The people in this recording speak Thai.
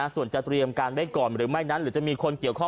ส่วนจะเตรียมการไว้ก่อนหรือไม่นั้น